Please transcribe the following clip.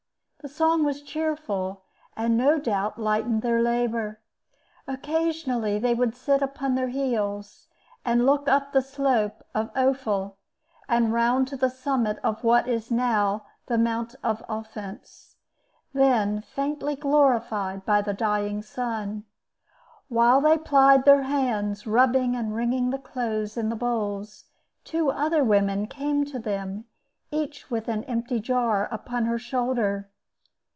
The song was cheerful, and no doubt lightened their labor. Occasionally they would sit upon their heels, and look up the slope of Ophel, and round to the summit of what is now the Mount of Offence, then faintly glorified by the dying sun. While they plied their hands, rubbing and wringing the clothes in the bowls, two other women came to them, each with an empty jar upon her shoulder.